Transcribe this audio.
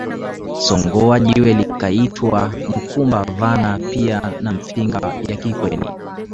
Songoa jiwe likaitwa mkumba vana pia na Mfinga ya Kikweni